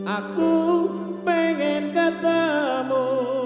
aku pengen ketemu